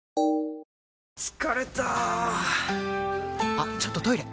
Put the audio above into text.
あっちょっとトイレ！